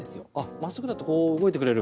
真っすぐだとこう動いてくれる。